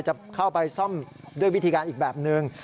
จะเข้าไปซ่อมด้วยวิธีการอีกแบบนึง